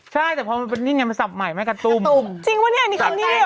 ใช่แต่พอมันเป็นนี่ไงมันสับใหม่ไหมกับตุ่มจริงปะเนี่ยอันนี้คันนี้หรอ